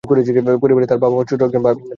পরিবারে তার মা, বাবা, একজন ছোট ভাই ও বোন আছেন।